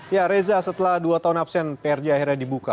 ya reza setelah dua tahun absen prj akhirnya dibuka